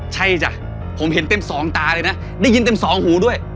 ใช่จ้ะผมเห็นเต็มสองตาเลยนะได้ยินเต็มสองหูด้วย